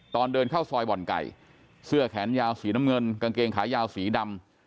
ตอนเดินเข้าซอยบ่อนไก่เสื้อแขนยาวสีน้ำเงินกางเกงขายาวสีดำ